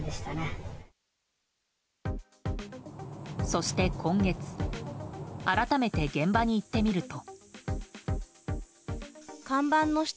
そして、今月改めて現場に行ってみると。